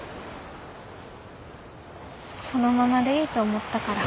そのままでいいと思ったから。